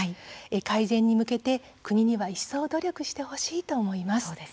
改善に向けて国には一層努力してほしいと思います。